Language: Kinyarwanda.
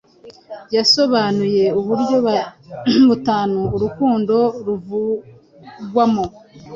yasobanuye uburyo butanu urukundo ruvugwamo